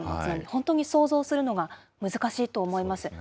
本当に想像するのが難しいと思います。